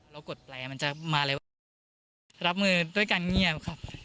เรากดแปลมันจะมาเลยว่ารับมือด้วยการเงียบครับ